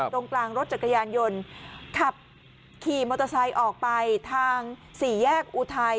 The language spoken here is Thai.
ตรงกลางรถจักรยานยนต์ขับขี่มอเตอร์ไซค์ออกไปทางสี่แยกอุทัย